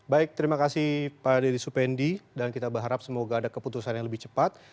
baik terima kasih pak dedy supendi dan kita berharap semoga ada keputusan yang lebih cepat